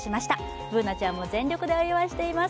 Ｂｏｏｎａちゃんも全力でお祝いしています。